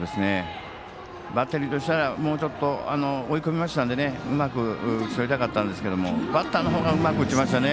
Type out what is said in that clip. バッテリーとしたらもうちょっと追い込みましたのでうまく攻めたかったんですがバッターの方がうまく打ちましたね。